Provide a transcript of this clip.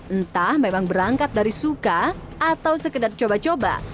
entah memang berangkat dari suka atau sekedar coba coba